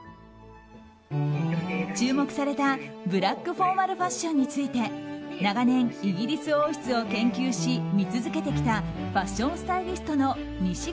注目されたブラックフォーマルファッションについて長年、イギリス王室を研究し見続けてきたファッションスタイリストのにし